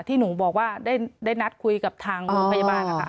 ที่หนูบอกว่าได้นัดคุยกับทางโรงพยาบาลนะคะ